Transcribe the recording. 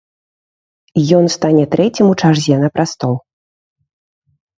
Ён стане трэцім у чарзе на прастол.